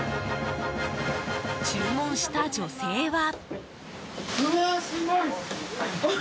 注文した女性は。